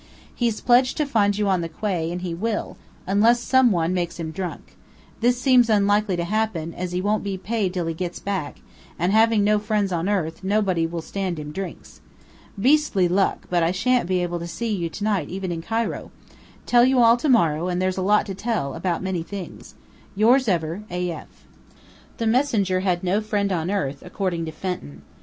He's pledged to find you on the quay, and he will unless some one makes him drunk. This seems unlikely to happen, as he won't be paid till he gets back, and having no friends on earth, nobody will stand him drinks. Beastly luck, but I shan't be able to see you to night even in Cairo. Tell you all to morrow and there's a lot to tell, about many things. Yours ever, A.F. The messenger had "no friend on earth," according to Fenton.